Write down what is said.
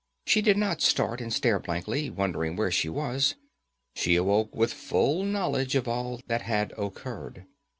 She did not start and stare blankly, wondering where she was. She awoke with full knowledge of all that had occurred.